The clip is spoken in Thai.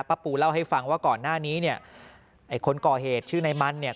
ปูเล่าให้ฟังว่าก่อนหน้านี้เนี่ยไอ้คนก่อเหตุชื่อนายมันเนี่ย